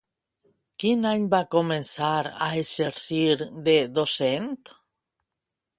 Quin any va començar a exercir de docent?